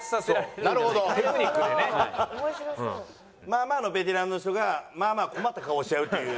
まあまあのベテランの人がまあまあ困った顔をしちゃうという。